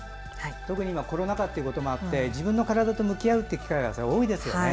今、コロナ禍ということで自分の体と向き合う機会が多いですよね。